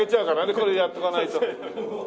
これでやっとかないと。